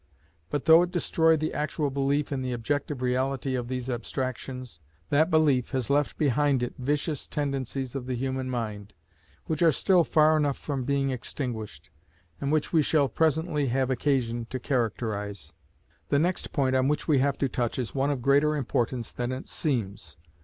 But though it destroyed the actual belief in the objective reality of these abstractions, that belief has left behind it vicious tendencies of the human mind, which are still far enough from being extinguished, and which we shall presently have occasion to characterize. The next point on which we have to touch is one of greater importance than it seems.